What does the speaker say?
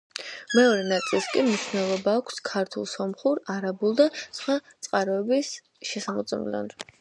მეორე ნაწილს კი მნიშვნელობა აქვს ქართულ, სომხურ, არაბულ და სხვა წყაროების შესამოწმებლად.